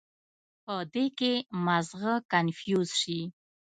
پۀ دې کښې مازغه کنفيوز شي